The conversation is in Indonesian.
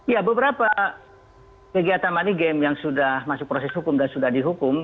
ya beberapa kegiatan money game yang sudah masuk proses hukum dan sudah dihukum